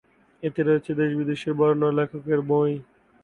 এতে রয়েছে দেশ বিদেশের বরেণ্য লেখকের বই।